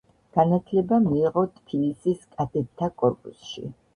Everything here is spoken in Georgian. განათლება მიიღო ტფილისის კადეტთა კორპუსში.